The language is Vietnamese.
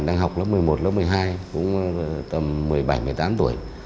đang học lớp một mươi một lớp một mươi hai cũng tầm một mươi bảy một mươi tám tuổi